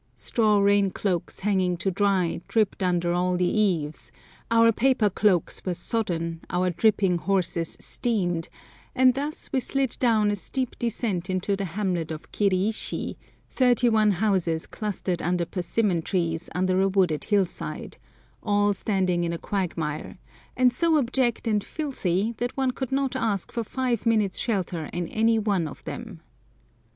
Straw rain cloaks hanging to dry dripped under all the eaves, our paper cloaks were sodden, our dripping horses steamed, and thus we slid down a steep descent into the hamlet of Kiriishi, thirty one houses clustered under persimmon trees under a wooded hillside, all standing in a quagmire, and so abject and filthy that one could not ask for five minutes' shelter in any one of them.